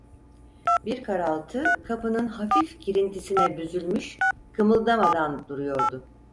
Bir karaltı kapının hafif girintisine büzülmüş, kımıldamadan duruyordu.